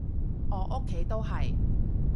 我屋企都係